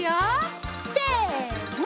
せの！